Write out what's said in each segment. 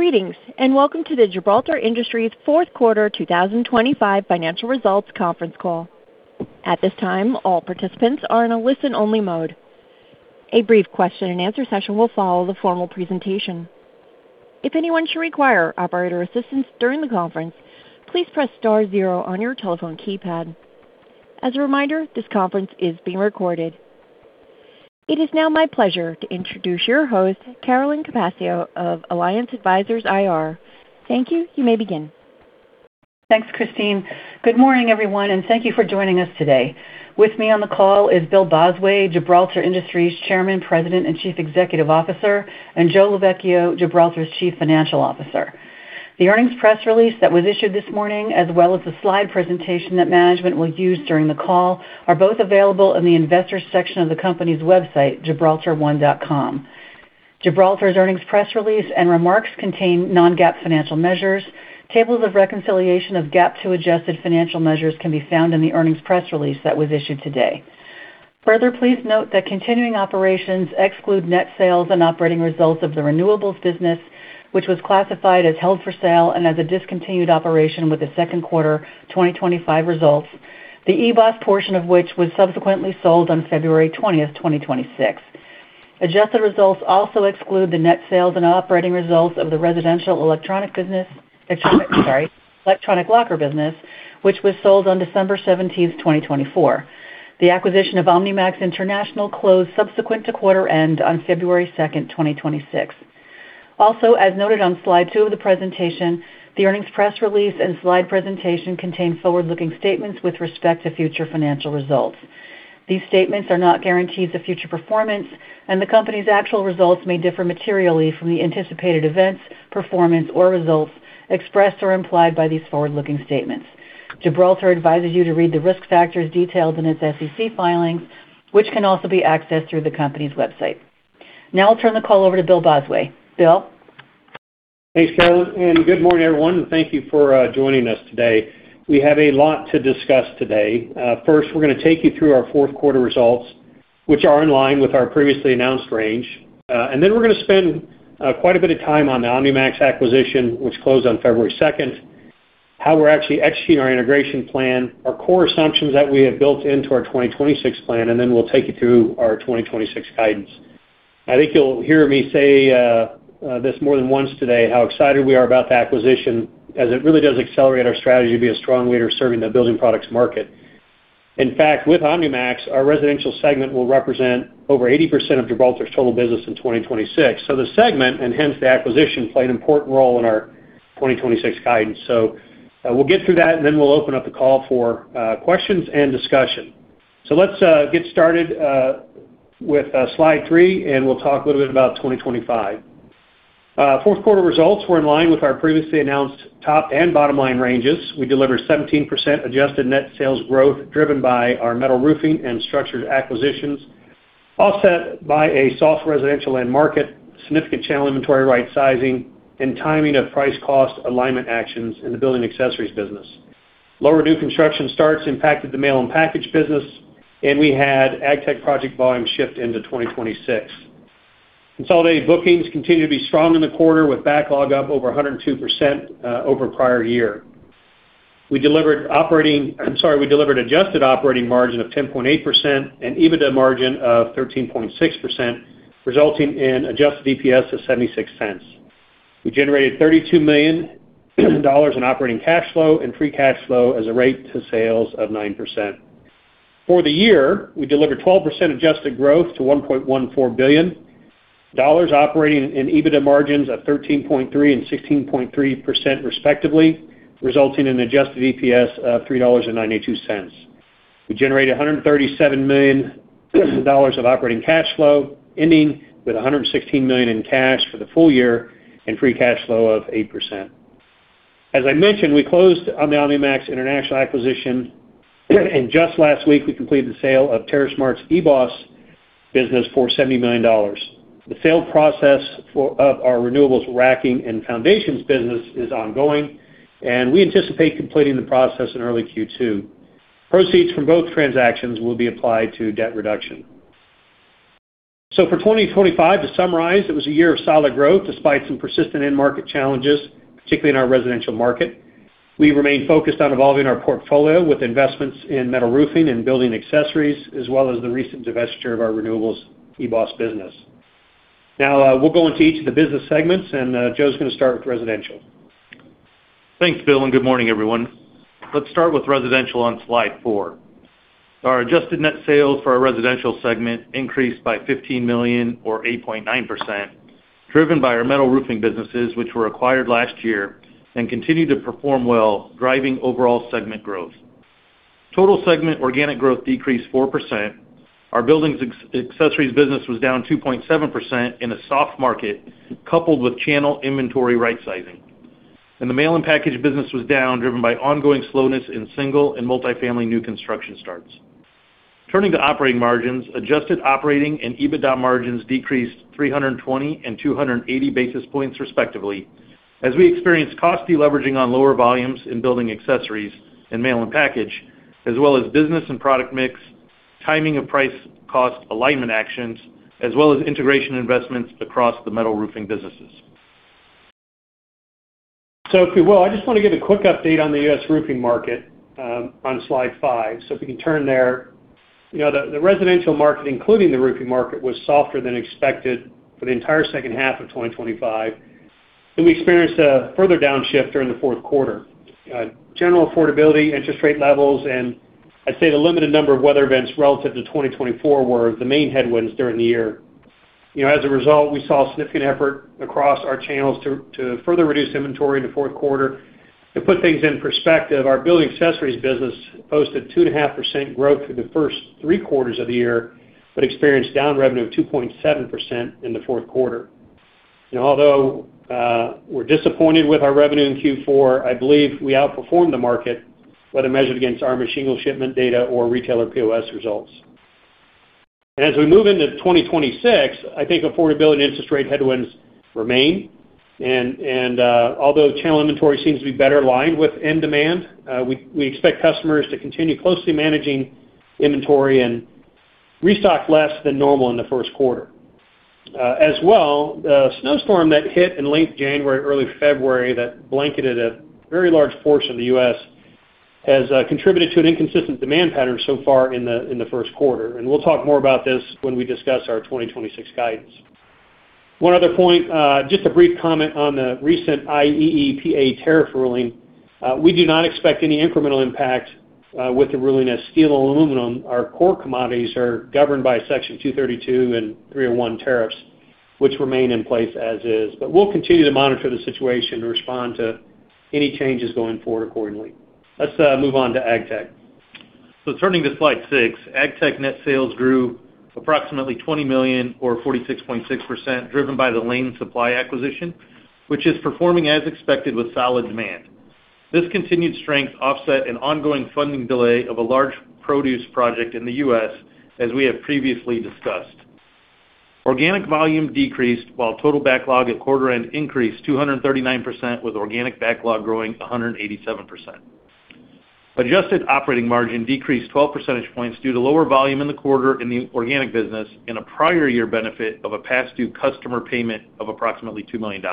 Greetings, welcome to the Gibraltar Industries Fourth Quarter 2025 Financial Results Conference Call. At this time, all participants are in a listen-only mode. A brief Q&A session will follow the formal presentation. If anyone should require operator assistance during the conference, please press star zero on your telephone keypad. As a reminder, this conference is being recorded. It is now my pleasure to introduce your host, Carolyn Capaccio of Alliance Advisors IR. Thank you. You may begin. Thanks, Christine. Good morning, everyone, and thank you for joining us today. With me on the call is Bill Bosway, Gibraltar Industries Chairman, President, and Chief Executive Officer, and Joe Lovechio, Gibraltar's Chief Financial Officer. The earnings press release that was issued this morning, as well as the slide presentation that management will use during the call, are both available in the Investors section of the company's website, gibraltar1.com. Gibraltar's earnings press release and remarks contain non-GAAP financial measures. Tables of reconciliation of GAAP to adjusted financial measures can be found in the earnings press release that was issued today. Further, please note that continuing operations exclude net sales and operating results of the renewables business, which was classified as held for sale and as a discontinued operation with the second quarter 2025 results, the EBOS portion of which was subsequently sold on February 20th, 2026. Adjusted results also exclude the net sales and operating results of the residential electronic business, sorry, electronic locker business, which was sold on 17 December 2024. The acquisition of OmniMax International closed subsequent to quarter end on 2 February 2026. Also, as noted on slide two of the presentation, the earnings press release and slide presentation contain forward-looking statements with respect to future financial results. These statements are not guarantees of future performance, and the company's actual results may differ materially from the anticipated events, performance, or results expressed or implied by these forward-looking statements. Gibraltar advises you to read the risk factors detailed in its SEC filings, which can also be accessed through the company's website. Now I'll turn the call over to Bill Bosway. Bill? Hey, Carolyn, good morning, everyone, and thank you for joining us today. We have a lot to discuss today. First, we're gonna take you through our fourth quarter results, which are in line with our previously announced range. Then we're gonna spend quite a bit of time on the OmniMax acquisition, which closed on February second, how we're actually executing our integration plan, our core assumptions that we have built into our 2026 plan, and then we'll take you through our 2026 guidance. I think you'll hear me say this more than once today, how excited we are about the acquisition, as it really does accelerate our strategy to be a strong leader serving the building products market. In fact, with OmniMax, our residential segment will represent over 80% of Gibraltar's total business in 2026. The segment, and hence the acquisition, play an important role in our 2026 guidance. We'll get through that, and then we'll open up the call for questions and discussion. Let's get started with slide three, and we'll talk a little bit about 2025. Fourth quarter results were in line with our previously announced top and bottom-line ranges. We delivered 17% adjusted net sales growth, driven by our metal roofing and structured acquisitions, offset by a soft residential end market, significant channel inventory right sizing, and timing of price cost alignment actions in the building accessories business. Lower new construction starts impacted the mail and package business, and we had AgTech project volume shift into 2026. Consolidated bookings continued to be strong in the quarter, with backlog up over 102% over prior year. We delivered adjusted operating margin of 10.8% and EBITDA margin of 13.6%, resulting in adjusted EPS of $0.76. We generated $32 million in operating cash flow and free cash flow as a rate to sales of 9%. For the year, we delivered 12% adjusted growth to $1.14 billion, operating in EBITDA margins of 13.3% and 16.3% respectively, resulting in adjusted EPS of $3.92. We generated $137 million of operating cash flow, ending with $116 million in cash for the full year and free cash flow of 8%. As I mentioned, we closed on the OmniMax International acquisition, and just last week, we completed the sale of TerraSmart's eBOS business for $70 million. The sale process of our renewables racking and foundations business is ongoing, and we anticipate completing the process in early Q2. Proceeds from both transactions will be applied to debt reduction. For 2025, to summarize, it was a year of solid growth despite some persistent end market challenges, particularly in our residential market. We remain focused on evolving our portfolio with investments in metal roofing and building accessories, as well as the recent divestiture of our renewables eBOS business. We'll go into each of the business segments, and Joe's gonna start with Residential. Thanks, Bill. Good morning, everyone. Let's start with Residential on slide four. Our adjusted net sales for our Residential segment increased by $15 million or 8.9%, driven by our metal roofing businesses, which were acquired last year and continued to perform well, driving overall segment growth. Total segment organic growth decreased 4%. Our Buildings ex- accessories business was down 2.7% in a soft market, coupled with channel inventory right sizing. The Mail and Package business was down, driven by ongoing slowness in single and multifamily new construction starts. Turning to operating margins, adjusted operating and EBITDA margins decreased 320 and 280 basis points, respectively, as we experienced cost deleveraging on lower volumes in Building Accessories and Mail and Package, as well as business and product mix, timing of price cost alignment actions, as well as integration investments across the metal roofing businesses. If you will, I just want to give a quick update on the U.S. roofing market on slide five. If we can turn there. You know, the residential market, including the roofing market, was softer than expected for the entire second half of 2025, and we experienced a further downshift during the fourth quarter. General affordability, interest rate levels, and I'd say the limited number of weather events relative to 2024 were the main headwinds during the year. You know, as a result, we saw significant effort across our channels to further reduce inventory in the fourth quarter. To put things in perspective, our Building Accessories business posted 2.5% growth through the first three quarters of the year, but experienced down revenue of 2.7% in the fourth quarter. Although, we're disappointed with our revenue in Q4, I believe we outperformed the market, whether measured against our machine shipment data or retailer POS results. As we move into 2026, I think affordability and interest rate headwinds remain. Although channel inventory seems to be better aligned with end demand, we expect customers to continue closely managing inventory and restock less than normal in the first quarter. As well, the snowstorm that hit in late January, early February, that blanketed a very large portion of the U.S., has contributed to an inconsistent demand pattern so far in the first quarter. We'll talk more about this when we discuss our 2026 guidance. One other point, just a brief comment on the recent IEEPA tariff ruling. We do not expect any incremental impact with the ruling as steel and aluminum. Our core commodities are governed by Section 232 and 301 tariffs, which remain in place as is. We'll continue to monitor the situation and respond to any changes going forward accordingly. Let's move on to AgTech. Turning to slide six, Agtech net sales grew approximately $20 million or 46.6%, driven by the Lane Supply acquisition, which is performing as expected with solid demand. This continued strength offset an ongoing funding delay of a large produce project in the U.S., as we have previously discussed. Organic volume decreased, while total backlog at quarter end increased 239%, with organic backlog growing 187%. Adjusted operating margin decreased 12 percentage points due to lower volume in the quarter in the organic business and a prior year benefit of a past due customer payment of approximately $2 million.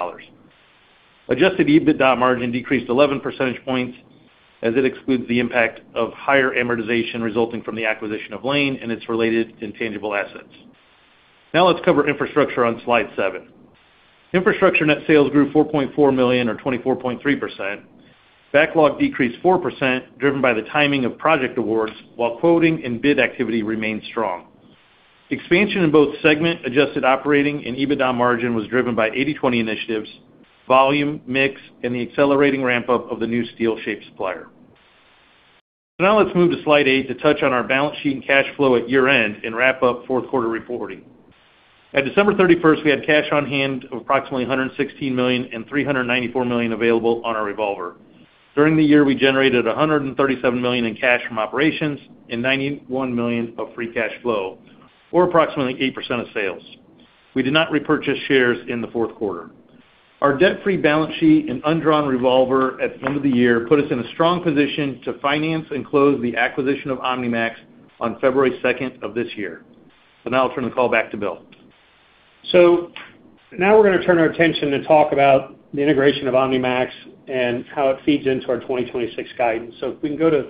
Adjusted EBITDA margin decreased 11 percentage points, as it excludes the impact of higher amortization resulting from the acquisition of Lane and its related intangible assets. Let's cover infrastructure on slide seven. Infrastructure net sales grew $4.4 million, or 24.3%. Backlog decreased 4%, driven by the timing of project awards, while quoting and bid activity remained strong. Expansion in both segment adjusted operating and EBITDA margin was driven by 80/20 initiatives, volume, mix, and the accelerating ramp-up of the new steel shape supplier. Now let's move to slide eight to touch on our balance sheet and cash flow at year-end and wrap up fourth quarter reporting. At 31 December, we had cash on hand of approximately $116 million and $394 million available on our revolver. During the year, we generated $137 million in cash from operations and $91 million of free cash flow, or approximately 8% of sales. We did not repurchase shares in the fourth quarter. Our debt-free balance sheet and undrawn revolver at the end of the year put us in a strong position to finance and close the acquisition of OmniMax on 2 February of this year. Now I'll turn the call back to Bill. Now we're gonna turn our attention to talk about the integration of OmniMax and how it feeds into our 2026 guidance. If we can go to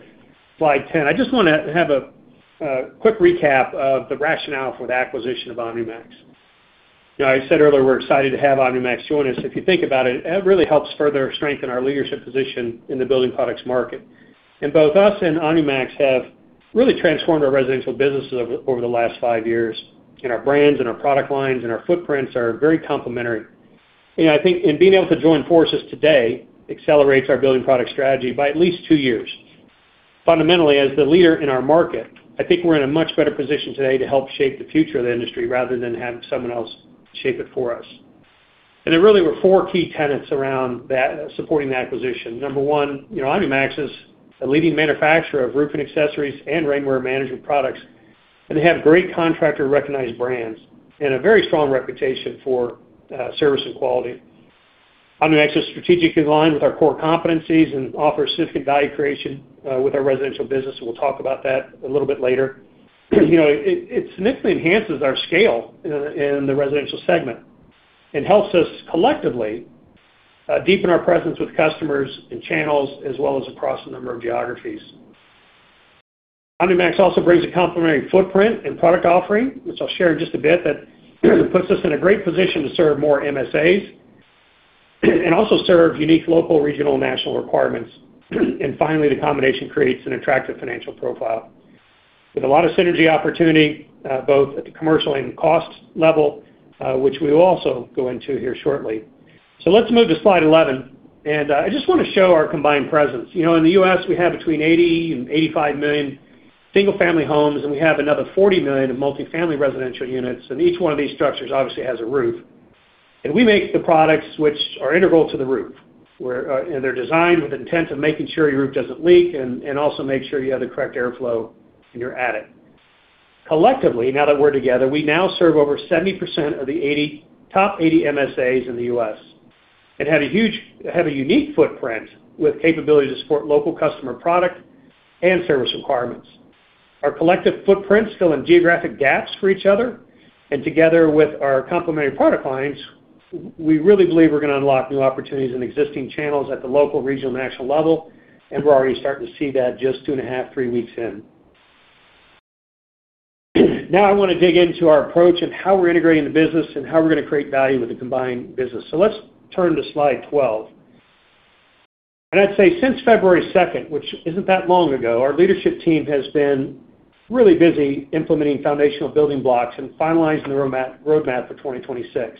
slide 10. I just wanna have a quick recap of the rationale for the acquisition of OmniMax. You know, I said earlier, we're excited to have OmniMax join us. If you think about it really helps further strengthen our leadership position in the building products market. Both us and OmniMax have really transformed our residential businesses over the last five years, and our brands and our product lines and our footprints are very complementary. You know, I think in being able to join forces today accelerates our building product strategy by at least two years. Fundamentally, as the leader in our market, I think we're in a much better position today to help shape the future of the industry rather than have someone else shape it for us. There really were four key tenets around that, supporting that acquisition. Number one, you know, OmniMax is a leading manufacturer of roofing accessories and rainware management products, and they have great contractor-recognized brands and a very strong reputation for service and quality. OmniMax is strategically aligned with our core competencies and offers significant value creation with our Residential business, and we'll talk about that a little bit later. You know, it significantly enhances our scale in the Residential segment and helps us collectively deepen our presence with customers and channels, as well as across a number of geographies. OmniMax also brings a complementary footprint and product offering, which I'll share in just a bit, that puts us in a great position to serve more MSAs, and also serve unique local, regional, and national requirements. Finally, the combination creates an attractive financial profile. With a lot of synergy opportunity, both at the commercial and cost level, which we will also go into here shortly. Let's move to slide 11, and I just wanna show our combined presence. You know, in the U.S., we have between 80 million and 85 million single-family homes, and we have another 40 million of multifamily residential units, and each one of these structures obviously has a roof. We make the products which are integral to the roof, where they're designed with the intent of making sure your roof doesn't leak and also make sure you have the correct airflow in your attic. Collectively, now that we're together, we now serve over 70% of the 80 top 80 MSAs in the U.S. had a unique footprint with capability to support local customer product and service requirements. Our collective footprints fill in geographic gaps for each other, and together with our complementary product lines, we really believe we're going to unlock new opportunities in existing channels at the local, regional, and national level, and we're already starting to see that just two and a half, three weeks in. I want to dig into our approach and how we're integrating the business and how we're going to create value with the combined business. Let's turn to slide 12. I'd say since 2 February, which isn't that long ago, our leadership team has been really busy implementing foundational building blocks and finalizing the roadmap for 2026.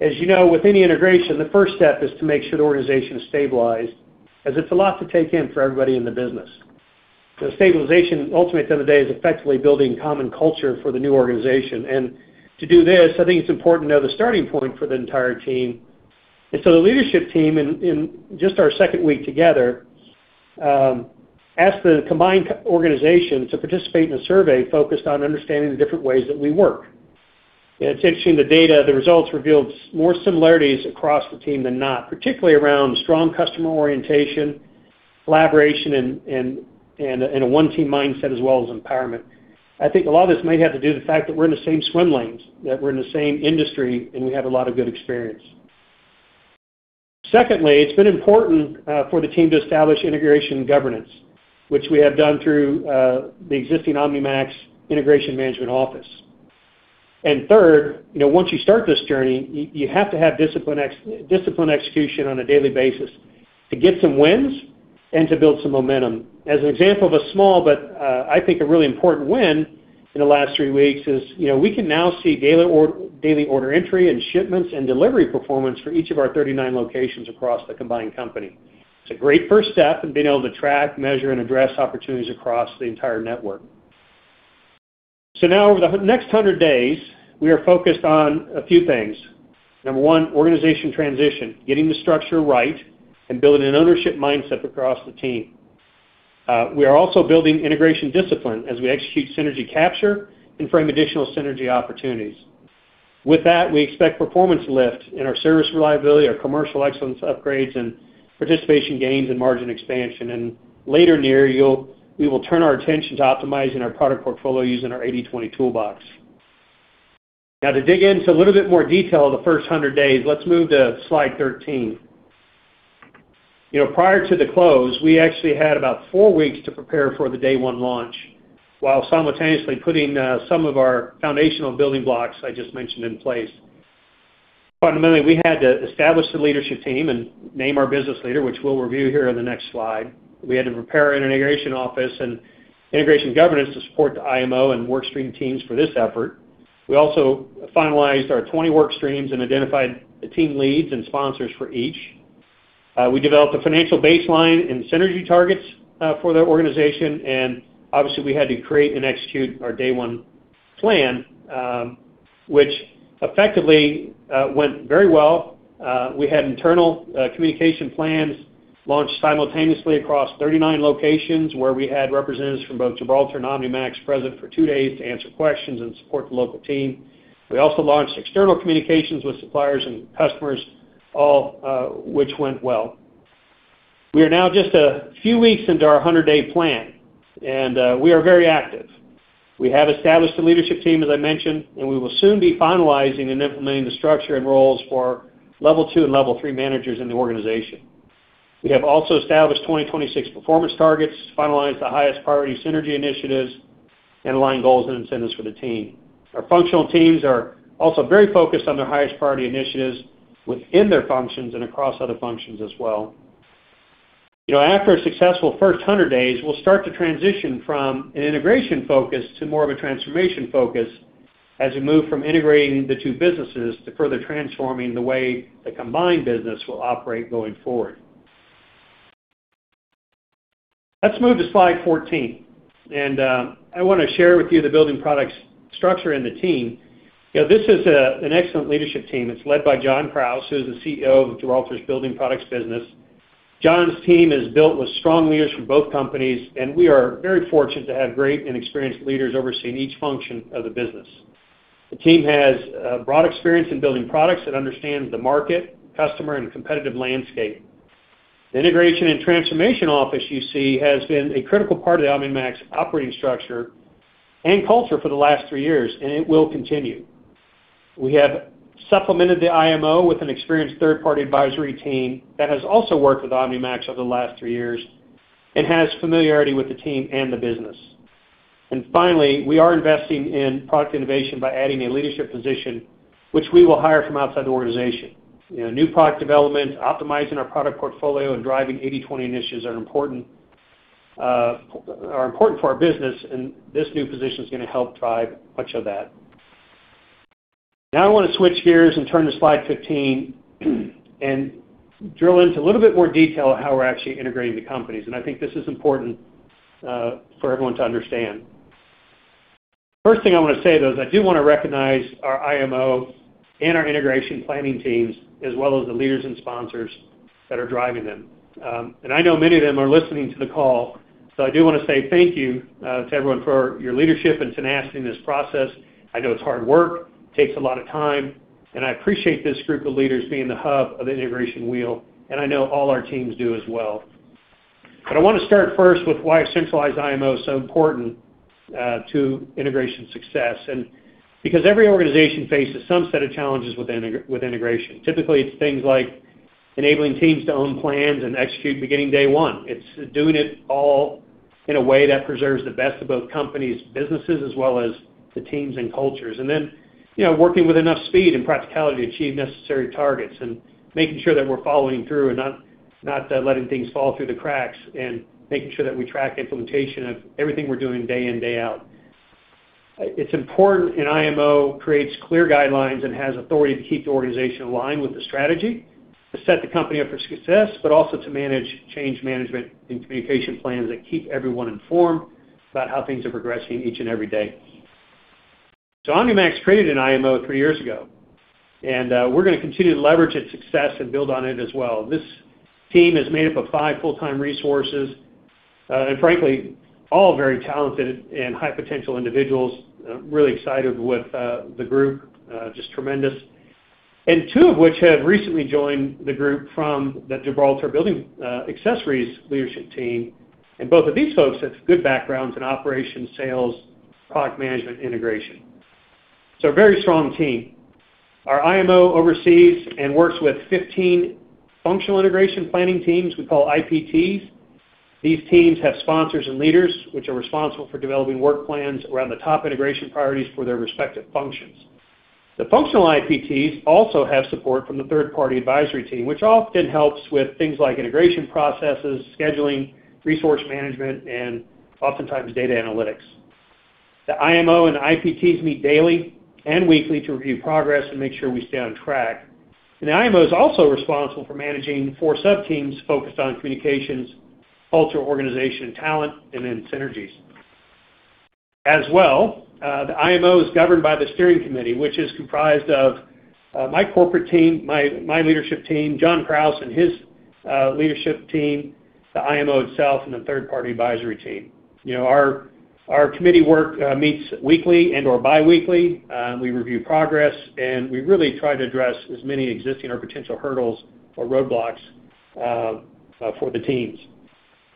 As you know, with any integration, the first step is to make sure the organization is stabilized, as it's a lot to take in for everybody in the business. Stabilization, ultimately, at the end of the day, is effectively building common culture for the new organization. To do this, I think it's important to know the starting point for the entire team. The leadership team, in just our second week together, asked the combined organization to participate in a survey focused on understanding the different ways that we work. It's interesting, the data, the results revealed more similarities across the team than not, particularly around strong customer orientation, collaboration, and a one-team mindset, as well as empowerment. I think a lot of this might have to do with the fact that we're in the same swim lanes, that we're in the same industry, and we have a lot of good experience. Secondly, it's been important for the team to establish integration governance, which we have done through the existing OmniMax integration management office. Third, you know, once you start this journey, you have to have discipline execution on a daily basis to get some wins and to build some momentum. As an example of a small, but, I think a really important win in the last three weeks is, you know, we can now see daily daily order entry and shipments and delivery performance for each of our 39 locations across the combined company. It's a great first step in being able to track, measure, and address opportunities across the entire network. Now, over the next 100 days, we are focused on a few things. Number one, organization transition, getting the structure right and building an ownership mindset across the team. We are also building integration discipline as we execute synergy capture and frame additional synergy opportunities. With that, we expect performance lift in our service reliability, our commercial excellence upgrades, and participation gains and margin expansion. Later in the year, we will turn our attention to optimizing our product portfolio using our 80/20 toolbox. To dig into a little bit more detail of the first 100 days, let's move to slide 13. You know, prior to the close, we actually had about four weeks to prepare for the Day 1 launch, while simultaneously putting some of our foundational building blocks I just mentioned in place. Fundamentally, we had to establish the leadership team and name our business leader, which we'll review here in the next slide. We had to prepare an integration office and integration governance to support the IMO and workstream teams for this effort. We also finalized our 20 workstreams and identified the team leads and sponsors for each. We developed a financial baseline and synergy targets for the organization. Obviously, we had to create and execute our Day 1 plan, which effectively went very well. We had internal communication plans launched simultaneously across 39 locations, where we had representatives from both Gibraltar and OmniMax present for two days to answer questions and support the local team. We also launched external communications with suppliers and customers, all which went well. We are now just a few weeks into our 100-day plan. We are very active. We have established a leadership team, as I mentioned. We will soon be finalizing and implementing the structure and roles for level two and level three managers in the organization. We have also established 2026 performance targets, finalized the highest priority synergy initiatives, and aligned goals and incentives for the team. Our functional teams are also very focused on their highest priority initiatives within their functions and across other functions as well. You know, after a successful first hundred days, we'll start to transition from an integration focus to more of a transformation focus as we move from integrating the two businesses to further transforming the way the combined business will operate going forward. Let's move to slide 14. I want to share with you the Building Products structure and the team. You know, this is an excellent leadership team. It's led by John Krause, who's the CEO of Gibraltar's Building Products business. John's team is built with strong leaders from both companies. We are very fortunate to have great and experienced leaders overseeing each function of the business. The team has broad experience in building products that understand the market, customer, and competitive landscape. The integration and transformation office you see, has been a critical part of the OmniMax operating structure and culture for the last three years, and it will continue. We have supplemented the IMO with an experienced third-party advisory team that has also worked with OmniMax over the last three years and has familiarity with the team and the business. Finally, we are investing in product innovation by adding a leadership position, which we will hire from outside the organization. You know, new product development, optimizing our product portfolio, and driving 80/20 initiatives are important for our business, and this new position is going to help drive much of that. Now, I want to switch gears and turn to slide 15, and drill into a little bit more detail on how we're actually integrating the companies, and I think this is important for everyone to understand. First thing I want to say, though, is I do want to recognize our IMO and our integration planning teams, as well as the leaders and sponsors that are driving them. I know many of them are listening to the call, so I do want to say thank you to everyone for your leadership and tenacity in this process. I know it's hard work, takes a lot of time, and I appreciate this group of leaders being the hub of the integration wheel, and I know all our teams do as well. I want to start first with why a centralized IMO is so important to integration success, because every organization faces some set of challenges with integration. Typically, it's things like enabling teams to own plans and execute beginning day one. It's doing it all in a way that preserves the best of both companies' businesses, as well as the teams and cultures, you know, working with enough speed and practicality to achieve necessary targets and making sure that we're following through and not letting things fall through the cracks, and making sure that we track implementation of everything we're doing day in, day out. It's important, IMO creates clear guidelines and has authority to keep the organization aligned with the strategy, to set the company up for success, but also to manage change management and communication plans that keep everyone informed about how things are progressing each and every day. OmniMax created an IMO three years ago, we're gonna continue to leverage its success and build on it as well. This team is made up of five full-time resources. Frankly, all very talented and high-potential individuals. I'm really excited with the group, just tremendous. Two of which have recently joined the group from the Gibraltar Building Accessories leadership team. Both of these folks have good backgrounds in operations, sales, product management, and integration. A very strong team. Our IMO oversees and works with 15 functional integration planning teams we call IPTs. These teams have sponsors and leaders, which are responsible for developing work plans around the top integration priorities for their respective functions. The functional IPTs also have support from the third-party advisory team, which often helps with things like integration processes, scheduling, resource management, and oftentimes data analytics. The IMO and IPTs meet daily and weekly to review progress and make sure we stay on track. The IMO is also responsible for managing four subteams focused on communications, culture, organization, and talent, and then synergies. As well, the IMO is governed by the steering committee, which is comprised of my corporate team, my leadership team, John Krause and his leadership team, the IMO itself, and the third-party advisory team. You know, our committee work meets weekly and or biweekly. We review progress, and we really try to address as many existing or potential hurdles or roadblocks for the teams.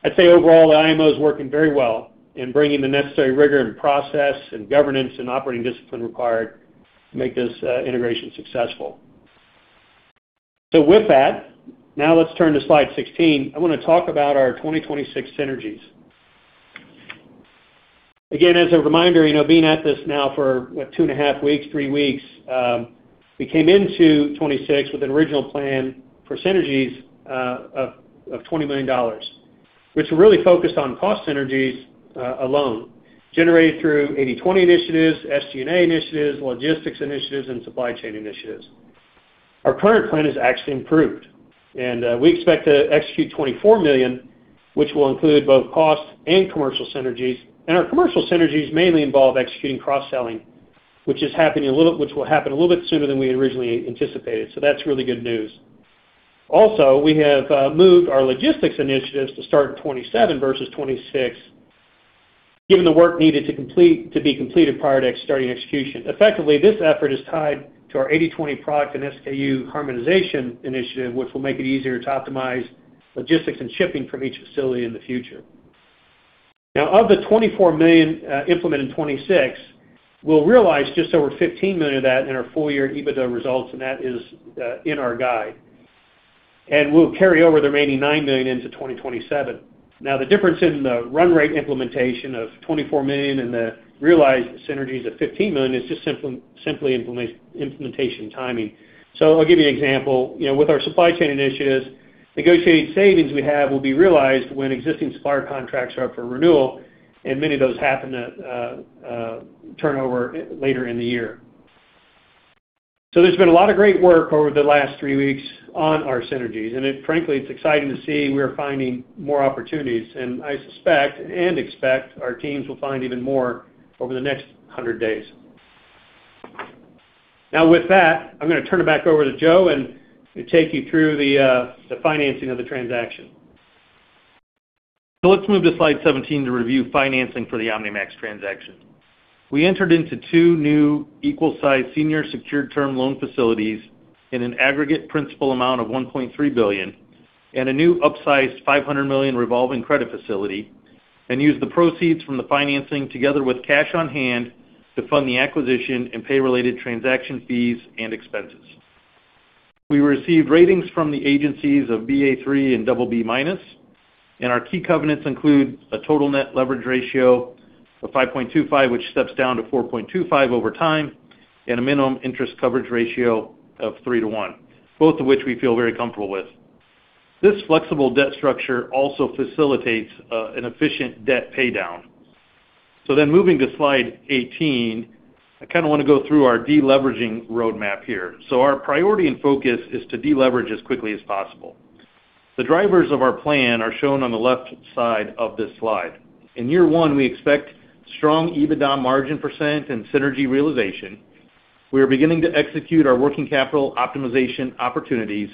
I'd say overall, the IMO is working very well in bringing the necessary rigor and process and governance and operating discipline required to make this integration successful. With that, now let's turn to slide 16. I want to talk about our 2026 synergies. Again, as a reminder, you know, being at this now for, what, two and a half weeks, three weeks, we came into 2026 with an original plan for synergies of $20 million, which were really focused on cost synergies alone, generated through 80/20 initiatives, SG&A initiatives, logistics initiatives, and supply chain initiatives. Our current plan is actually improved, we expect to execute $24 million, which will include both cost and commercial synergies. Our commercial synergies mainly involve executing cross-selling, which will happen a little bit sooner than we originally anticipated. That's really good news. Also, we have moved our logistics initiatives to start in 2027 versus 2026, given the work needed to be completed prior to starting execution. Effectively, this effort is tied to our 80/20 product and SKU harmonization initiative, which will make it easier to optimize logistics and shipping from each facility in the future. Of the $24 million implemented in 2026, we'll realize just over $15 million of that in our full year EBITDA results, and that is in our guide. We'll carry over the remaining $9 million into 2027. The difference in the run rate implementation of $24 million and the realized synergies of $15 million is just simply implementation timing. I'll give you an example. You know, with our supply chain initiatives, negotiated savings we have will be realized when existing supplier contracts are up for renewal, and many of those happen to turn over later in the year. There's been a lot of great work over the last three weeks on our synergies. Frankly, it's exciting to see we are finding more opportunities, and I suspect and expect our teams will find even more over the next 100 days. With that, I'm going to turn it back over to Joe, and he'll take you through the financing of the transaction. Let's move to slide 17 to review financing for the OmniMax transaction. We entered into two new equal-sized senior secured term loan facilities in an aggregate principal amount of $1.3 billion, and a new upsized $500 million revolving credit facility, and used the proceeds from the financing together with cash on hand to fund the acquisition and pay related transaction fees and expenses. We received ratings from the agencies of Ba3 and BB-, and our key covenants include a total net leverage ratio of 5.25, which steps down to 4.25 over time, and a minimum interest coverage ratio of 3 to 1, both of which we feel very comfortable with. This flexible debt structure also facilitates an efficient debt paydown. Moving to slide 18, I kind of want to go through our deleveraging roadmap here. Our priority and focus is to deleverage as quickly as possible. The drivers of our plan are shown on the left side of this slide. In year one, we expect strong EBITDA margin % and synergy realization. We are beginning to execute our working capital optimization opportunities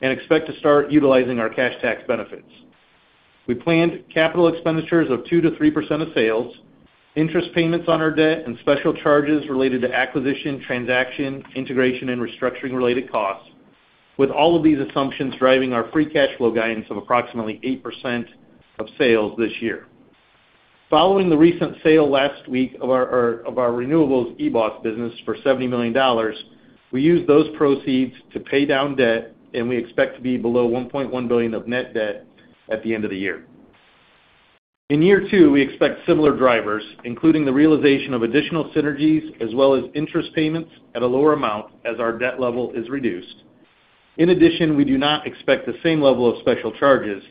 and expect to start utilizing our cash tax benefits. We planned capital expenditures of 2%-3% of sales, interest payments on our debt, and special charges related to acquisition, transaction, integration, and restructuring related costs, with all of these assumptions driving our free cash flow guidance of approximately 8% of sales this year. Following the recent sale last week of our renewables eBOS business for $70 million, we used those proceeds to pay down debt, and we expect to be below $1.1 billion of net debt at the end of the year. In year two, we expect similar drivers, including the realization of additional synergies as well as interest payments at a lower amount as our debt level is reduced. In addition, we do not expect the same level of special charges,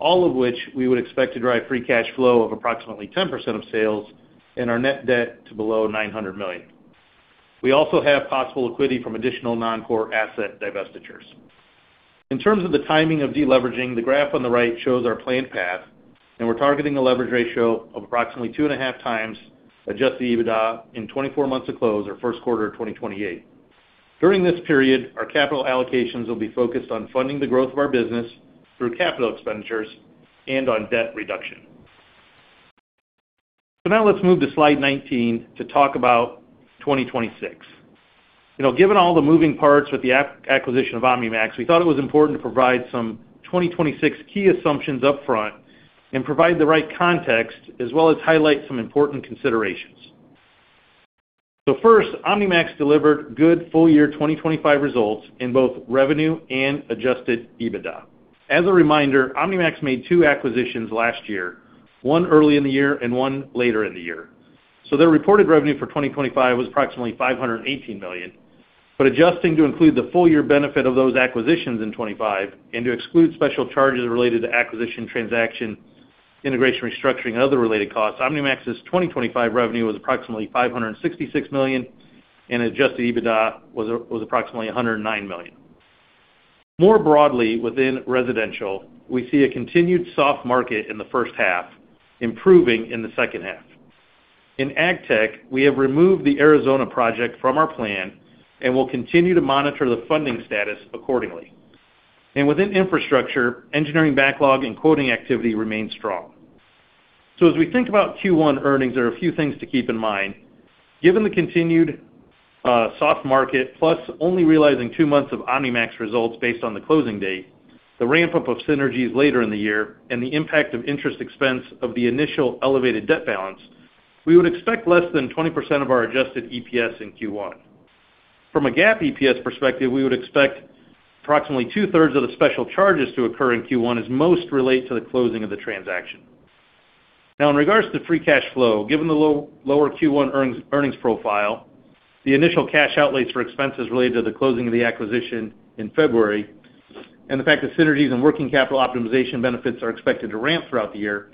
all of which we would expect to drive free cash flow of approximately 10% of sales and our net debt to below $900 million. We also have possible liquidity from additional non-core asset divestitures. In terms of the timing of deleveraging, the graph on the right shows our planned path. We're targeting a leverage ratio of approximately 2.5x adjusted EBITDA in 24 months to close or first quarter of 2028. During this period, our capital allocations will be focused on funding the growth of our business through capital expenditures and on debt reduction. Now let's move to slide 19 to talk about 2026. You know, given all the moving parts with the acquisition of OmniMax, we thought it was important to provide some 2026 key assumptions upfront and provide the right context, as well as highlight some important considerations. First, OmniMax delivered good full year 2025 results in both revenue and adjusted EBITDA. As a reminder, OmniMax made two acquisitions last year, one early in the year and one later in the year. Their reported revenue for 2025 was approximately $518 million. Adjusting to include the full year benefit of those acquisitions in 2025 and to exclude special charges related to acquisition, transaction, integration, restructuring, and other related costs, OmniMax's 2025 revenue was approximately $566 million, and adjusted EBITDA was approximately $109 million. More broadly, within Residential, we see a continued soft market in the first half, improving in the second half. In AgTech, we have removed the Arizona project from our plan and will continue to monitor the funding status accordingly. Within infrastructure, engineering backlog and quoting activity remains strong. As we think about Q1 earnings, there are a few things to keep in mind. Given the continued soft market, plus only realizing two months of OmniMax results based on the closing date, the ramp-up of synergies later in the year, and the impact of interest expense of the initial elevated debt balance, we would expect less than 20% of our adjusted EPS in Q1. From a GAAP EPS perspective, we would expect approximately 2/3 of the special charges to occur in Q1 as most relate to the closing of the transaction. Now, in regards to free cash flow, given the lower Q1 earnings profile, the initial cash outlays for expenses related to the closing of the acquisition in February, and the fact that synergies and working capital optimization benefits are expected to ramp throughout the year,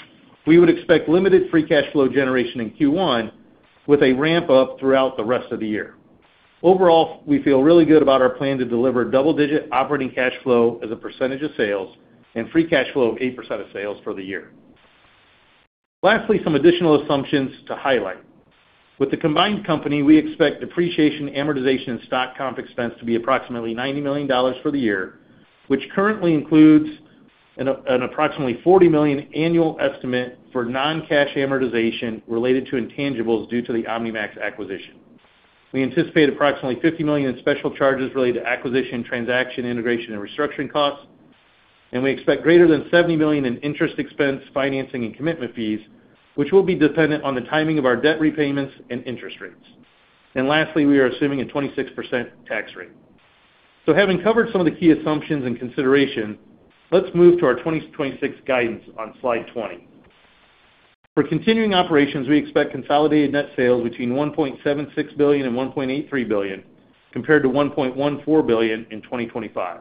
we would expect limited free cash flow generation in Q1 with a ramp-up throughout the rest of the year. Overall, we feel really good about our plan to deliver double-digit operating cash flow as a percentage of sales and free cash flow of 8% of sales for the year. Lastly, some additional assumptions to highlight. With the combined company, we expect depreciation, amortization, and stock comp expense to be approximately $90 million for the year, which currently includes an approximately $40 million annual estimate for non-cash amortization related to intangibles due to the OmniMax acquisition. We anticipate approximately $50 million in special charges related to acquisition, transaction, integration, and restructuring costs. We expect greater than $70 million in interest expense, financing, and commitment fees, which will be dependent on the timing of our debt repayments and interest rates. Lastly, we are assuming a 26% tax rate. Having covered some of the key assumptions and consideration, let's move to our 2026 guidance on slide 20. For continuing operations, we expect consolidated net sales between $1.76 billion and $1.83 billion, compared to $1.14 billion in 2025.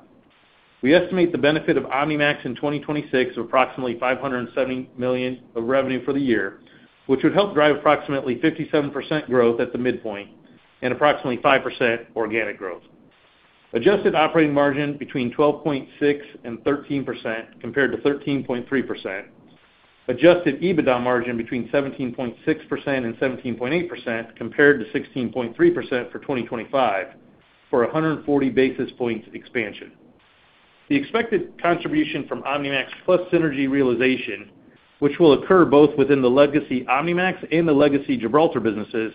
We estimate the benefit of OmniMax in 2026 of approximately $570 million of revenue for the year, which would help drive approximately 57% growth at the midpoint and approximately 5% organic growth. Adjusted operating margin between 12.6%-13% compared to 13.3%. Adjusted EBITDA margin between 17.6%-17.8%, compared to 16.3% for 2025, for 140 basis points expansion. The expected contribution from OmniMax plus synergy realization, which will occur both within the legacy OmniMax and the legacy Gibraltar businesses,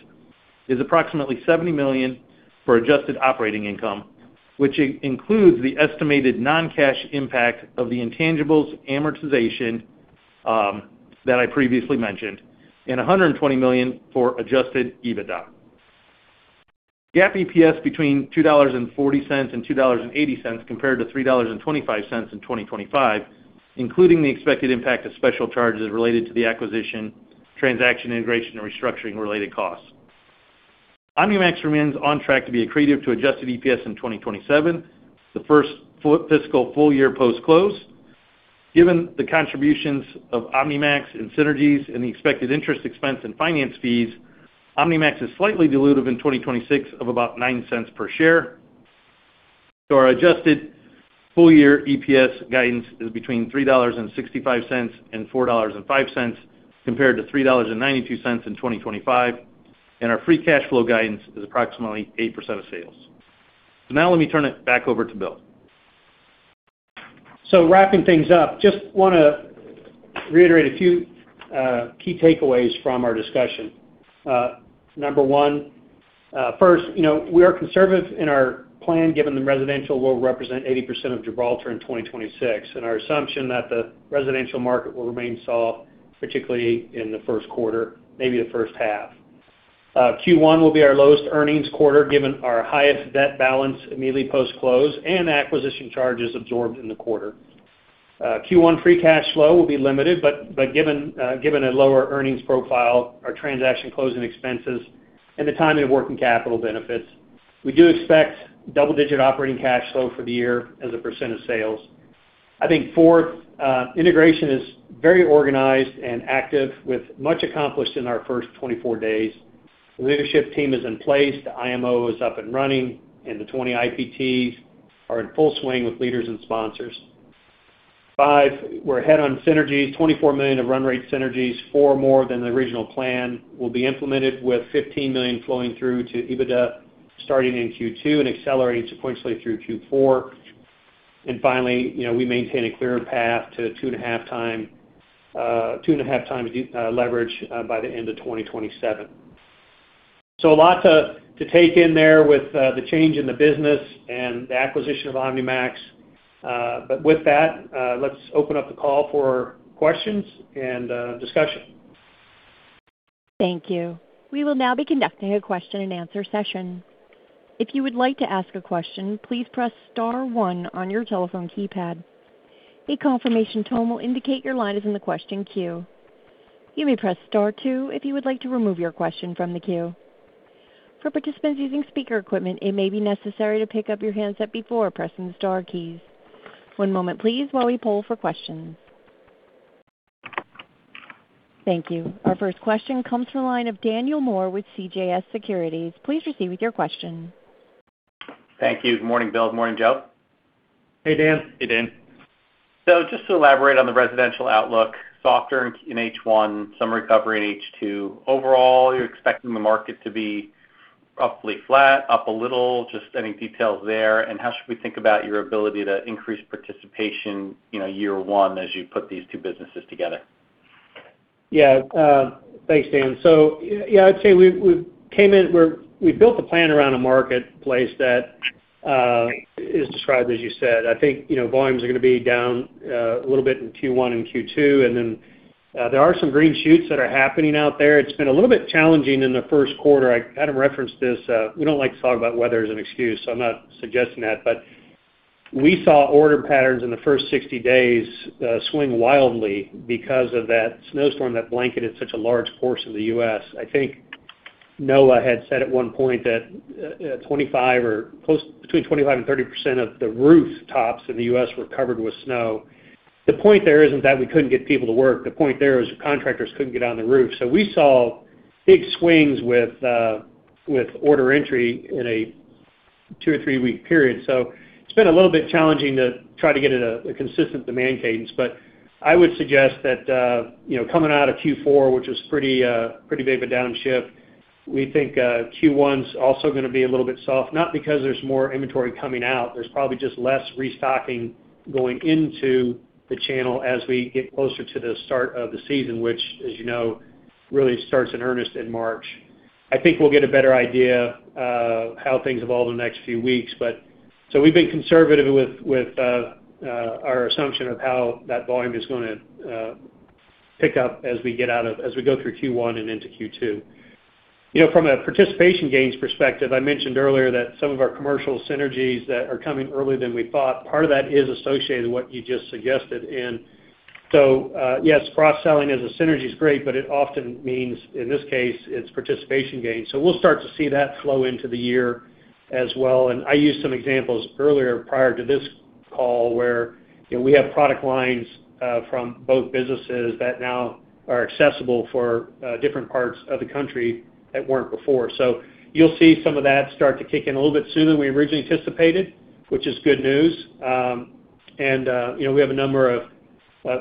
is approximately $70 million for adjusted operating income, which includes the estimated non-cash impact of the intangibles amortization that I previously mentioned, and $120 million for adjusted EBITDA. GAAP EPS between $2.40 and $2.80, compared to $3.25 in 2025, including the expected impact of special charges related to the acquisition, transaction, integration, and restructuring-related costs. OmniMax remains on track to be accretive to adjusted EPS in 2027, the first fiscal full year post-close. Given the contributions of OmniMax in synergies and the expected interest expense and finance fees, OmniMax is slightly dilutive in 2026 of about $0.09 per share. Our adjusted full year EPS guidance is between $3.65 and $4.05, compared to $3.92 in 2025. Our free cash flow guidance is approximately 8% of sales. Now let me turn it back over to Bill. Wrapping things up, just want to reiterate a few key takeaways from our discussion. Number one, first, you know, we are conservative in our plan, given the residential will represent 80% of Gibraltar in 2026, and our assumption that the residential market will remain soft, particularly in the first quarter, maybe the first half. Q1 will be our lowest earnings quarter, given our highest debt balance immediately post-close and acquisition charges absorbed in the quarter. Q1 free cash flow will be limited, but given a lower earnings profile, our transaction closing expenses and the timing of working capital benefits, we do expect double-digit operating cash flow for the year as a percent of sales. I think fourth, integration is very organized and active, with much accomplished in our first 24 days. The leadership team is in place, the IMO is up and running, and the 20 IPTs are in full swing with leaders and sponsors. Five, we're ahead on synergies. $24 million of run rate synergies, four more than the original plan, will be implemented with $15 million flowing through to EBITDA, starting in Q2 and accelerating sequentially through Q4. Finally, you know, we maintain a clear path to 2.5x leverage by the end of 2027. A lot to take in there with the change in the business and the acquisition of OmniMax. With that, let's open up the call for questions and discussion. Thank you. We will now be conducting a Q&A session. If you would like to ask a question, please press star one on your telephone keypad. A confirmation tone will indicate your line is in the question queue. You may press star two if you would like to remove your question from the queue. For participants using speaker equipment, it may be necessary to pick up your handset before pressing the star keys. One moment please, while we poll for questions. Thank you. Our first question comes from the line of Daniel Moore with CJS Securities. Please proceed with your question. Thank you. Good morning, Bill. Good morning, Joe. Hey, Dan. Hey, Dan. Just to elaborate on the residential outlook, softer in H1, some recovery in H2. Overall, you're expecting the market to be roughly flat, up a little, just any details there? How should we think about your ability to increase participation, you know, year one as you put these two businesses together? Thanks, Dan. I'd say we came in, we built the plan around a marketplace that is described, as you said. I think, you know, volumes are going to be down a little bit in Q1 and Q2, there are some green shoots that are happening out there. It's been a little bit challenging in the first quarter. Adam referenced this, we don't like to talk about weather as an excuse, I'm not suggesting that. We saw order patterns in the first 60 days swing wildly because of that snowstorm that blanketed such a large portion of the U.S. I think NOAA had said at one point that 25 or between 25% and 30% of the rooftops in the U.S. were covered with snow. The point there isn't that we couldn't get people to work. The point there is contractors couldn't get on the roof. We saw big swings with order entry in a two or three-week period. It's been a little bit challenging to try to get at a consistent demand cadence. I would suggest that, you know, coming out of Q4, which was pretty big of a downshift, we think, Q1's also going to be a little bit soft, not because there's more inventory coming out. There's probably just less restocking going into the channel as we get closer to the start of the season, which, as you know, really starts in earnest in March. I think we'll get a better idea, how things evolve in the next few weeks. We've been conservative with our assumption of how that volume is going to pick up as we go through Q1 and into Q2. You know, from a participation gains perspective, I mentioned earlier that some of our commercial synergies that are coming earlier than we thought, part of that is associated with what you just suggested. Yes, cross-selling as a synergy is great, but it often means, in this case, it's participation gains. We'll start to see that flow into the year as well. I used some examples earlier, prior to this call, where, you know, we have product lines from both businesses that now are accessible for different parts of the country that weren't before. You'll see some of that start to kick in a little bit sooner than we originally anticipated, which is good news. You know, we have a number of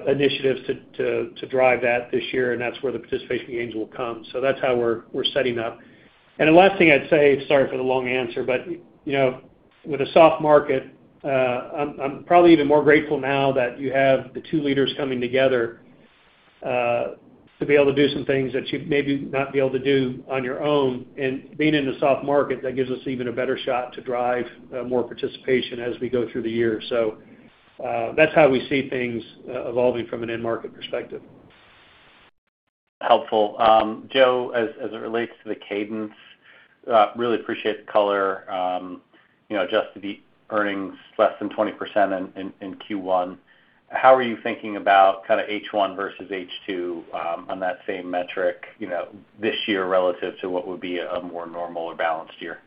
initiatives to drive that this year, and that's where the participation gains will come. That's how we're setting up. The last thing I'd say, sorry for the long answer, but, you know, with a soft market, I'm probably even more grateful now that you have the two leaders coming together to be able to do some things that you'd maybe not be able to do on your own. Being in a soft market, that gives us even a better shot to drive more participation as we go through the year. That's how we see things evolving from an end market perspective. Helpful. Joe, as it relates to the cadence, really appreciate the color. You know, adjusted earnings less than 20% in Q1. How are you thinking about kind of H1 versus H2 on that same metric, you know, this year relative to what would be a more normal or balanced year?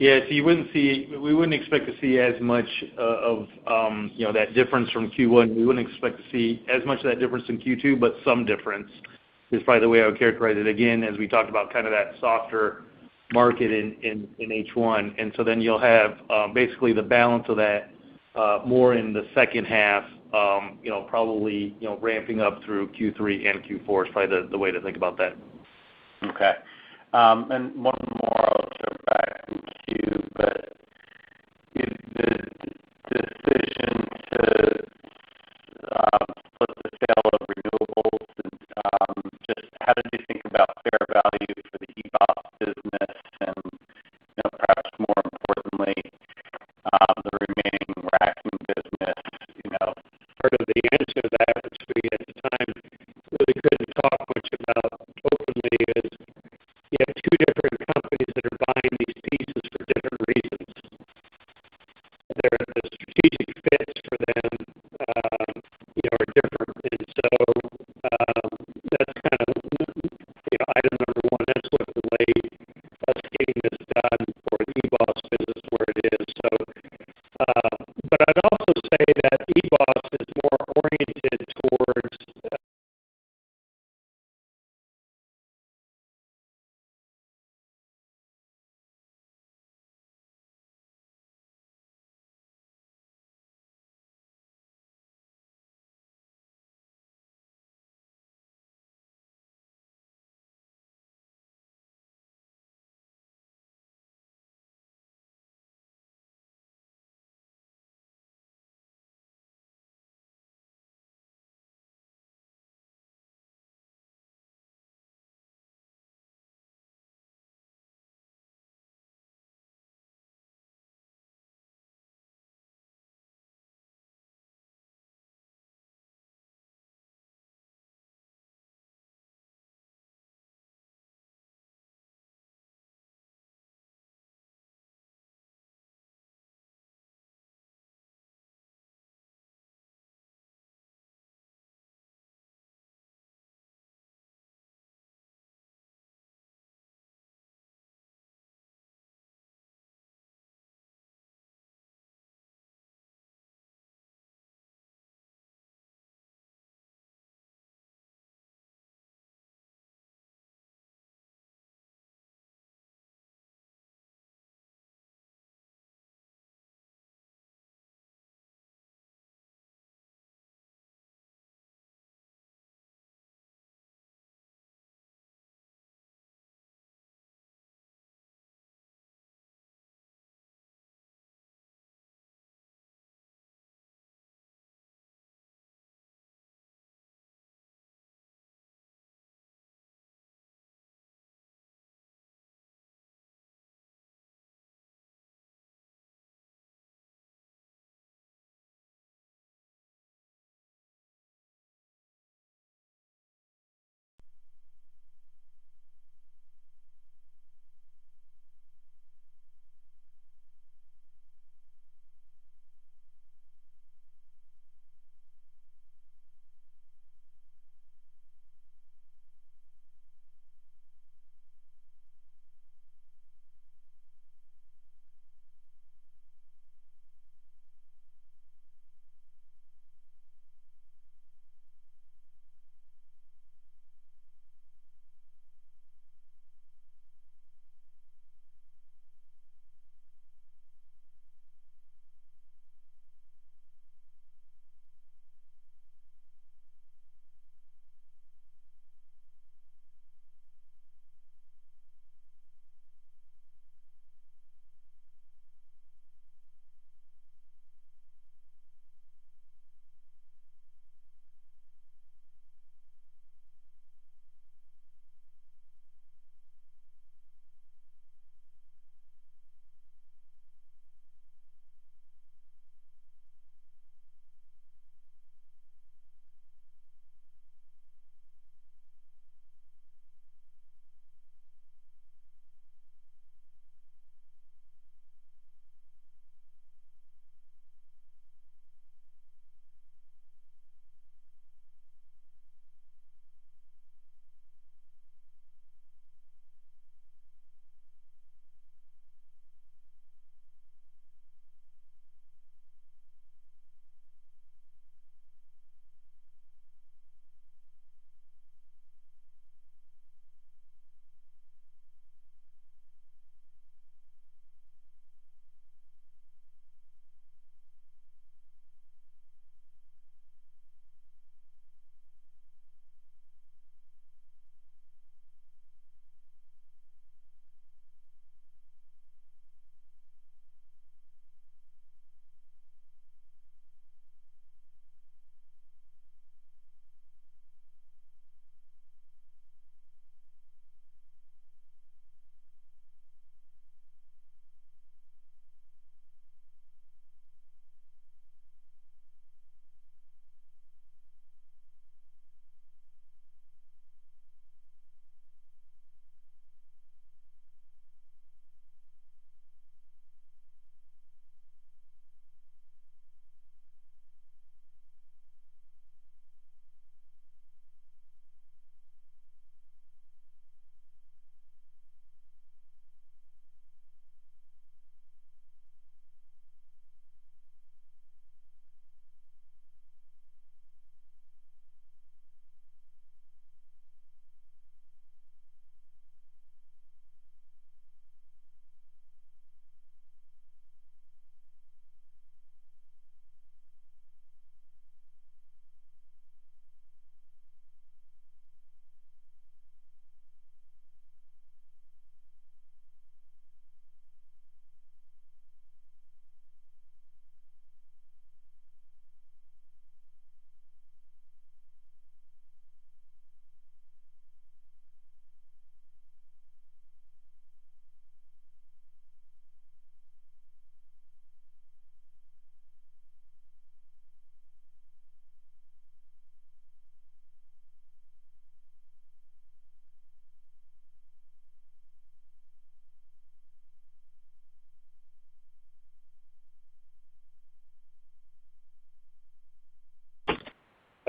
We wouldn't expect to see as much of, you know, that difference from Q1. We wouldn't expect to see as much of that difference in Q2, but some difference.... is probably the way I would characterize it again, as we talked about kind of that softer market in H1. Then you'll have basically the balance of that more in the second half, you know, probably, you know, ramping up through Q3 and Q4 is probably the way to think about that. Okay. One more,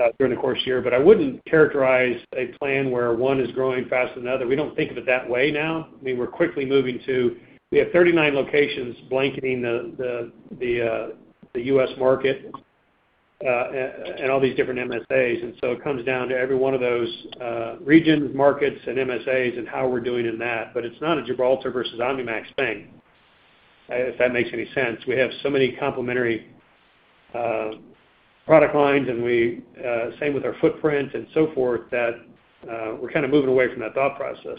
EBOS is more oriented towards, during the course year. I wouldn't characterize a plan where one is growing faster than the other. We don't think of it that way now. I mean, we're quickly moving to, we have 39 locations blanketing the U.S. market, and all these different MSAs. It comes down to every one of those regions, markets, and MSAs, and how we're doing in that. It's not a Gibraltar versus OmniMax bang, if that makes any sense. We have so many complementary product lines, and we, same with our footprint and so forth, that we're kind of moving away from that thought process.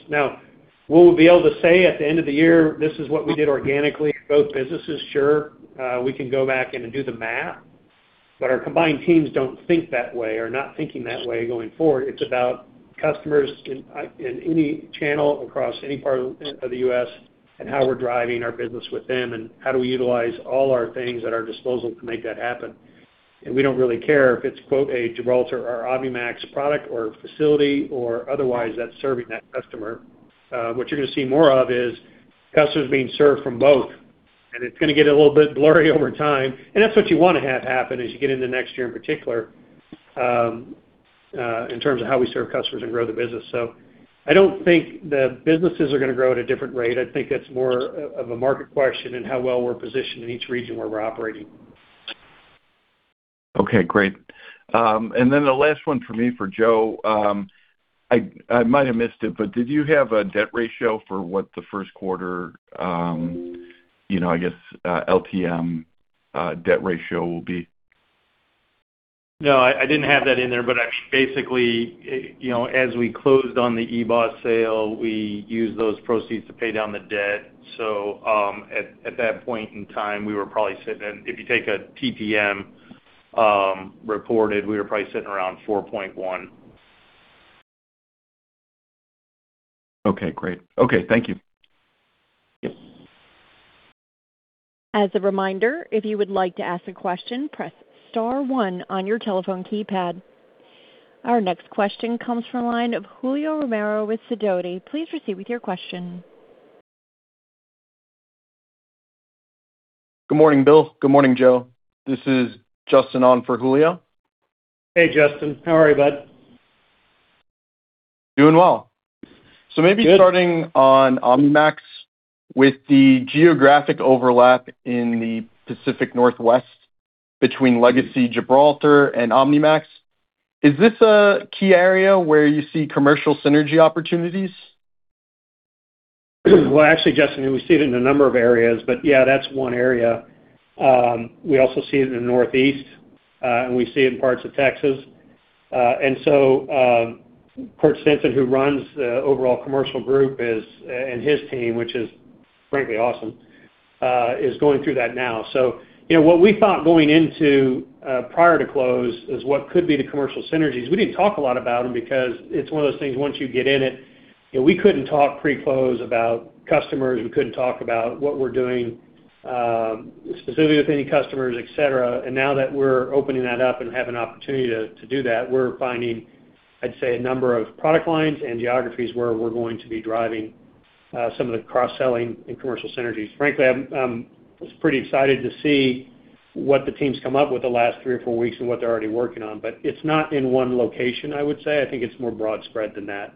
Will we be able to say at the end of the year, this is what we did organically in both businesses? Sure. We can go back in and do the math, but our combined teams don't think that way or are not thinking that way going forward. It's about customers in any channel across any part of the U.S., and how we're driving our business with them, and how do we utilize all our things at our disposal to make that happen. We don't really care if it's, quote, "a Gibraltar or OmniMax product or facility or otherwise that's serving that customer." What you're gonna see more of is customers being served from both, and it's gonna get a little bit blurry over time. That's what you wanna have happen as you get into next year, in particular, in terms of how we serve customers and grow the business. I don't think the businesses are gonna grow at a different rate. I think that's more of a market question and how well we're positioned in each region where we're operating. Okay, great. The last one for me, for Joe. I might have missed it, but did you have a debt ratio for what the first quarter, you know, I guess, LTM, debt ratio will be? I didn't have that in there, basically, you know, as we closed on the eBOS sale, we used those proceeds to pay down the debt. At that point in time, we were probably sitting in, If you take a TTM, reported, we were probably sitting around 4.1. Okay, great. Okay, thank you. Yep. As a reminder, if you would like to ask a question, press star one on your telephone keypad. Our next question comes from line of Julio Romero with Sidoti. Please proceed with your question. Good morning, Bill. Good morning, Joe. This is Justin on for Julio. Hey, Justin. How are you, bud? Doing well. Good. Maybe starting on OmniMax, with the geographic overlap in the Pacific Northwest between Legacy, Gibraltar and OmniMax, is this a key area where you see commercial synergy opportunities? Well, actually, Justin, we see it in a number of areas, but yeah, that's one area. We also see it in the Northeast, and we see it in parts of Texas. Kurt Stinson, who runs the overall commercial group, is and his team, which is frankly awesome, is going through that now. You know, what we thought going into prior to close is what could be the commercial synergies. We didn't talk a lot about them because it's one of those things, once you get in it, you know, we couldn't talk pre-close about customers. We couldn't talk about what we're doing specifically with any customers, et cetera. Now that we're opening that up and have an opportunity to do that, we're finding, I'd say, a number of product lines and geographies where we're going to be driving some of the cross-selling and commercial synergies. Frankly, I was pretty excited to see what the team's come up with the last three or four weeks and what they're already working on. It's not in one location, I would say. I think it's more broad spread than that.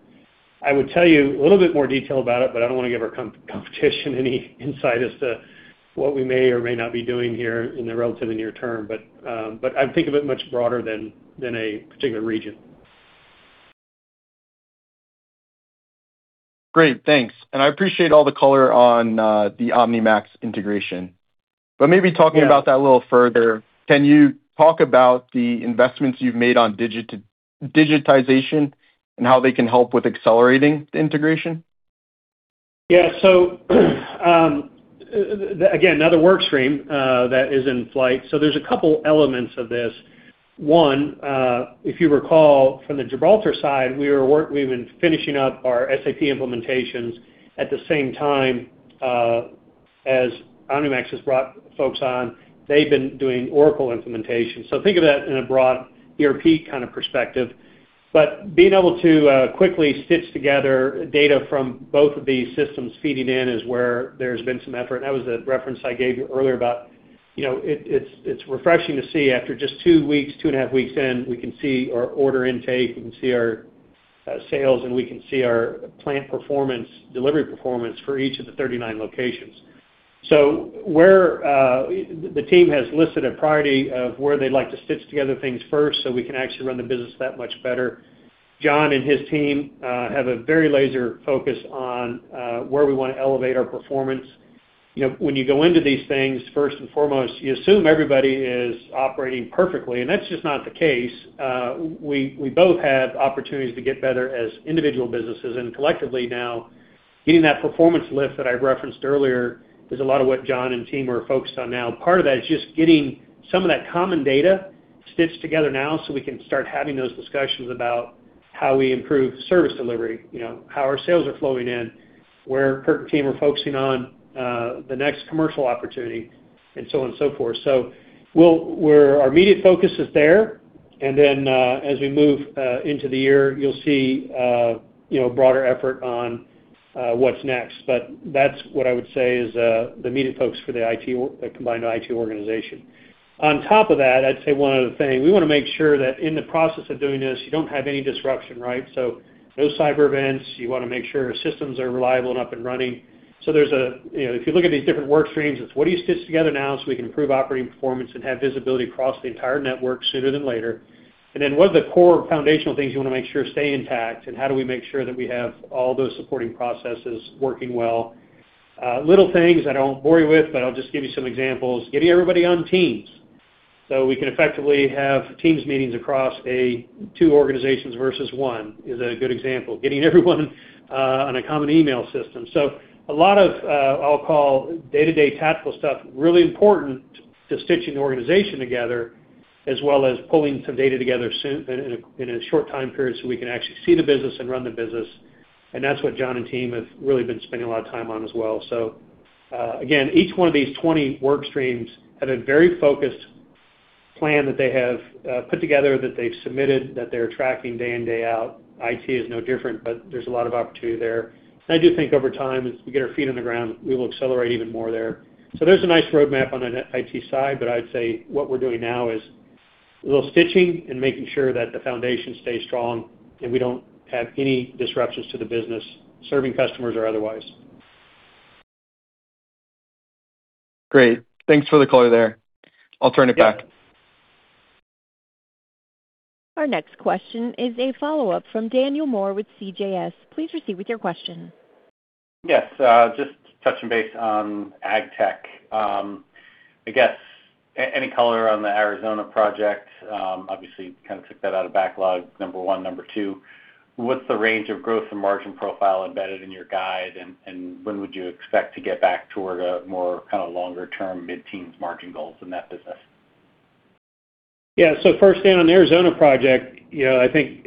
I would tell you a little bit more detail about it, but I don't want to give our competition any insight as to what we may or may not be doing here in the relatively near term. I think of it much broader than a particular region. Great, thanks. I appreciate all the color on the OmniMax integration. Maybe talking about that a little further, can you talk about the investments you've made on digitization and how they can help with accelerating the integration? Yeah. Again, another work stream that is in flight. There's a couple elements of this. One, if you recall, from the Gibraltar side, we've been finishing up our SAP implementations at the same time, as OmniMax has brought folks on, they've been doing Oracle implementation. Think of that in a broad ERP kind of perspective. Being able to quickly stitch together data from both of these systems feeding in is where there's been some effort. That was the reference I gave you earlier about, you know, it's refreshing to see after just two weeks, two and a half weeks in, we can see our order intake, we can see our sales, and we can see our plant performance, delivery performance for each of the 39 locations. Where the team has listed a priority of where they'd like to stitch together things first, so we can actually run the business that much better. John and his team have a very laser focus on where we wanna elevate our performance. You know, when you go into these things, first and foremost, you assume everybody is operating perfectly, and that's just not the case. We both have opportunities to get better as individual businesses and collectively now, getting that performance lift that I referenced earlier is a lot of what John and team are focused on now. Part of that is just getting some of that common data stitched together now, so we can start having those discussions about how we improve service delivery, you know, how our sales are flowing in, where Kirk and team are focusing on, the next commercial opportunity, and so on and so forth. We're, our immediate focus is there, and then, as we move into the year, you'll see, you know, broader effort on, what's next. That's what I would say is, the immediate focus for the IT, the combined IT organization. On top of that, I'd say one other thing. We wanna make sure that in the process of doing this, you don't have any disruption, right? No cyber events. You wanna make sure systems are reliable and up and running. There's a, you know, if you look at these different work streams, it's what do you stitch together now, so we can improve operating performance and have visibility across the entire network sooner than later? Then, what are the core foundational things you wanna make sure stay intact, and how do we make sure that we have all those supporting processes working well? Little things I don't bore you with, but I'll just give you some examples. Getting everybody on Teams, so we can effectively have Teams meetings across a two organizations versus one, is a good example. Getting everyone on a common email system. A lot of, I'll call day-to-day tactical stuff, really important to stitching the organization together, as well as pulling some data together soon, in a short time period, so we can actually see the business and run the business, and that's what John and team have really been spending a lot of time on as well. Again, each one of these 20 work streams have a very focused plan that they have put together, that they've submitted, that they're tracking day in, day out. IT is no different, but there's a lot of opportunity there. I do think over time, as we get our feet on the ground, we will accelerate even more there. There's a nice roadmap on the IT side, but I'd say what we're doing now is a little stitching and making sure that the foundation stays strong, and we don't have any disruptions to the business, serving customers or otherwise. Great. Thanks for the color there. I'll turn it back. Our next question is a follow-up from Daniel Moore with CJS. Please proceed with your question. Yes, just touching base on AgTech. I guess, any color on the Arizona project? Obviously, kind of took that out of backlog, number one. Number two, what's the range of growth and margin profile embedded in your guide, and when would you expect to get back toward a more kind of longer-term, mid-teens margin goals in that business? First, down on the Arizona project, you know, I think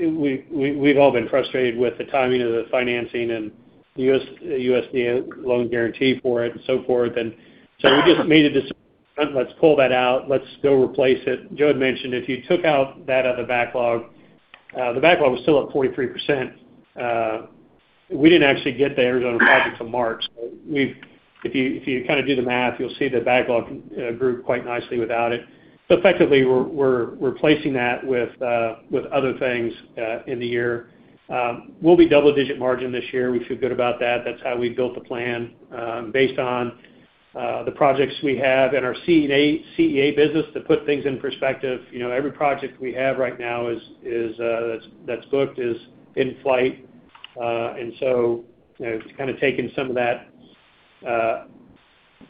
we've all been frustrated with the timing of the financing and the USDA loan guarantee for it and so forth. We just made a decision, let's pull that out, let's go replace it. Joe had mentioned, if you took out that other backlog, the backlog was still at 43%. We didn't actually get the Arizona project until March. We've if you, if you kind of do the math, you'll see the backlog grew quite nicely without it. Effectively, we're replacing that with other things in the year. We'll be double-digit margin this year. We feel good about that. That's how we built the plan, based on the projects we have and our CEA business. To put things in perspective, you know, every project we have right now is, that's booked, is in flight. You know, it's kind of taken some of that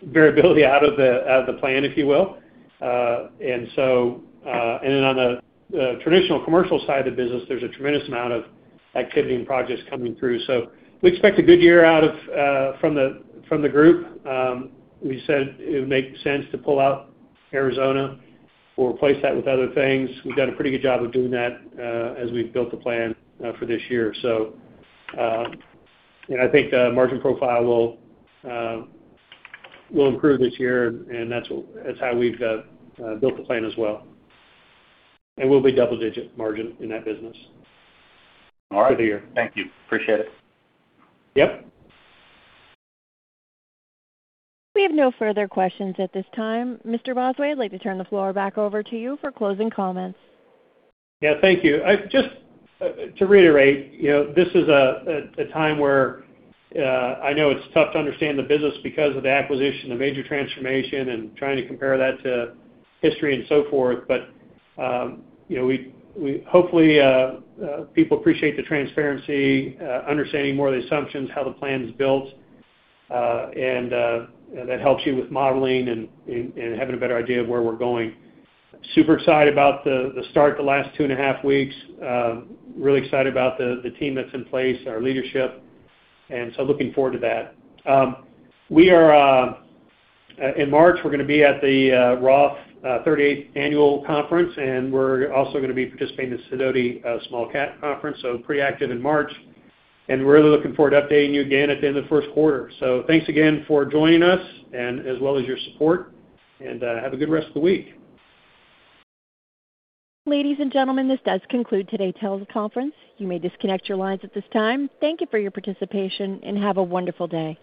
variability out of the plan, if you will. And then on the traditional commercial side of the business, there's a tremendous amount of activity and projects coming through. We expect a good year out of from the group. We said it would make sense to pull out Arizona. We'll replace that with other things. We've done a pretty good job of doing that as we've built the plan for this year. I think the margin profile will improve this year, and that's how we've built the plan as well. We'll be double-digit margin in that business. All right. Good year. Thank you. Appreciate it. Yep. We have no further questions at this time. Mr. Bosway, I'd like to turn the floor back over to you for closing comments. Thank you. Just to reiterate, you know, this is a time where I know it's tough to understand the business because of the acquisition, the major transformation, and trying to compare that to history and so forth. You know, we hopefully people appreciate the transparency, understanding more of the assumptions, how the plan is built, and that helps you with modeling and having a better idea of where we're going. Super excited about the start, the last two and a half weeks. Really excited about the team that's in place, our leadership, looking forward to that. We are in March, we're gonna be at the Roth 38th Annual Conference, and we're also gonna be participating in Sidoti Small Cap Conference, so pretty active in March. We're really looking forward to updating you again at the end of the first quarter. Thanks again for joining us and as well as your support, and have a good rest of the week. Ladies and gentlemen, this does conclude today's teleconference. You may disconnect your lines at this time. Thank you for your participation, have a wonderful day.